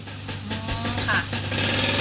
ค่ะ